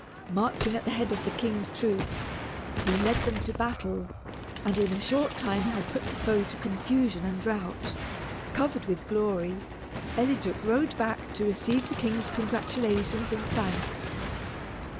Marching at the head of the king's troops, he led them to battle, and in a short time had put the foe to confusion and rout. Covered with glory, Eliduc rode back to receive the king's congratulations and thanks.